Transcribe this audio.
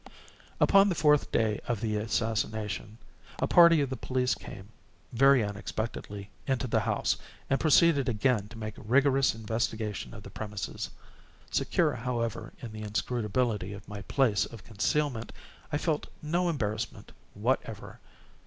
Upon the fourth day of the assassination, a party of the police came, very unexpectedly, into the house, and proceeded again to make rigorous investigation of the premises. Secure, however, in the inscrutability of my place of concealment, I felt no embarrassment whatever.